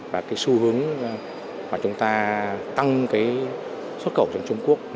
và cái xu hướng mà chúng ta tăng cái xuất khẩu sang trung quốc